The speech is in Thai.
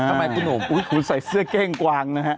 ทำไมคุณหนุ่มคุณใส่เสื้อเก้งกวางนะฮะ